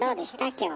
今日は。